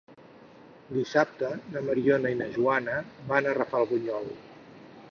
Dissabte na Mariona i na Joana van a Rafelbunyol.